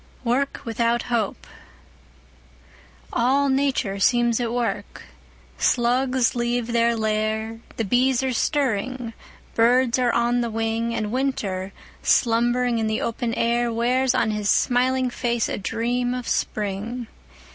Work without Hope ALL Nature seems at work. Slugs leave their lair— The bees are stirring—birds are on the wing— And Winter, slumbering in the open air, Wears on his smiling face a dream of Spring!